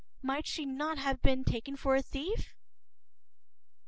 Might she not have been taken for a thief?